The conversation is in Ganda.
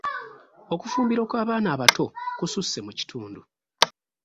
Okufumbirwa kw'abaana abato kususse mu kitundu.